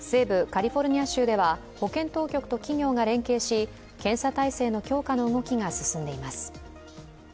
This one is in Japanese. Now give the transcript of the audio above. カリフォルニア州では保健当局と企業が連携し検査体制の強化の動きが進んでいます。